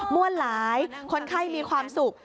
วั่นหลายคนไข้มีความสุข